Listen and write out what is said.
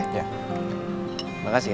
terima kasih ya